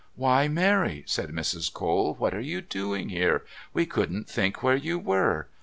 "Why, Mary!" said Mrs. Cole. "What are you doing here? We couldn't think where you were.